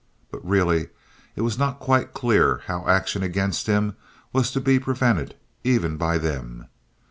But, really, it was not quite clear how action against him was to be prevented—even by them.